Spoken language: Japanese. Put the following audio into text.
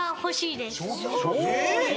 えっ？